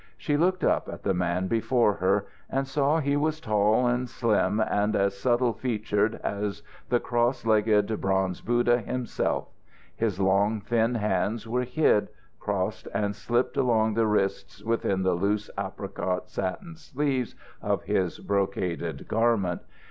She looked up at the man before her, and saw he was tall and slim and as subtle featured as the cross legged bronze Buddha himself. His long thin hands were hid, crossed and slipped along the wrists within the loose apricot satin sleeves of his brocaded garment.